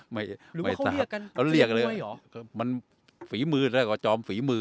ไม่หรือว่าเขาเรียกกันเรียกเลยมันฝีมือแล้วก็จอมฝีมือ